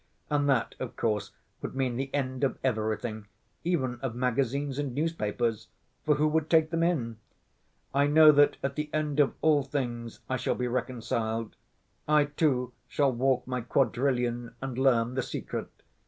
And that, of course, would mean the end of everything, even of magazines and newspapers, for who would take them in? I know that at the end of all things I shall be reconciled. I, too, shall walk my quadrillion and learn the secret.